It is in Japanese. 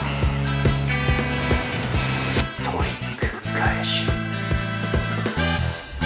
トリック返し。